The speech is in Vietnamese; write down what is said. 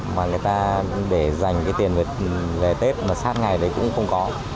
mà người ta để dành cái tiền về tết mà sát ngày đấy cũng không có